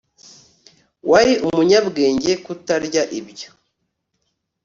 wari umunyabwenge kutarya ibyo